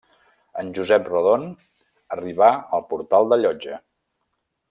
En Josep Rodon arribà al portal de Llotja